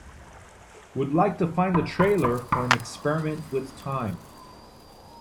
Would like to find the trailer for An Experiment with Time